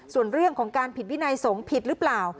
ส่วนเรื่องของการผิดวินัยสงฆ์ผิดหรือเปล่า